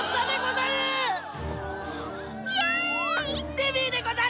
デビーでござる！